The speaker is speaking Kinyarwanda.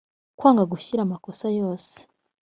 kwanga gushyira amakosa yose